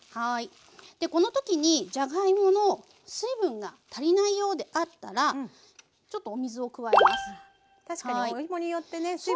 このときにじゃがいもの水分が足りないようであったらちょっとお水を加えます。